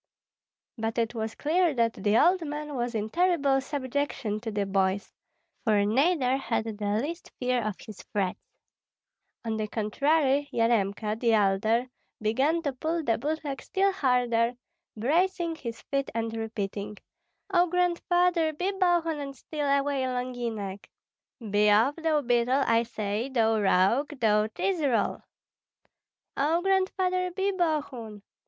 But it was clear that the old man was in terrible subjection to the boys, for neither had the least fear of his threats; on the contrary, Yaremka, the elder, began to pull the boot leg still harder, bracing his feet and repeating, "Oh, Grandfather, be Bogun and steal away Longinek." "Be off, thou beetle, I say, thou rogue, thou cheese roll!" "Oh, Grandfather, be Bogun!"